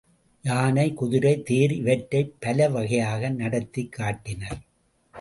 யானை, குதிரை, தேர் இவற்றைப் பலவகையாக நடத்திக் காட்டினர்.